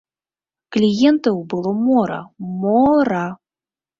Кліентаў было мора, мо-ра!